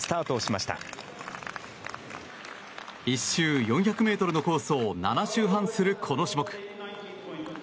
１周４００ｍのコースを７周半するこの種目。